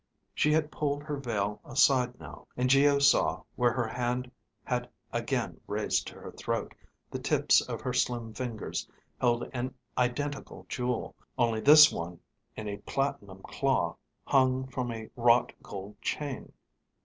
She had pulled her veil aside now, and Geo saw, where her hand had again raised to her throat, the tips of her slim fingers held an identical jewel, only this one in a platinum claw, hung from a wrought gold chain.